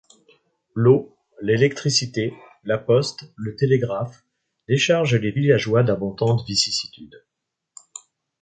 L’eau, l’électricité, la poste, le télégraphe déchargent les villageois d’abondantes vicissitudes.